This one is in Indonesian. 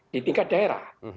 di tingkat daerah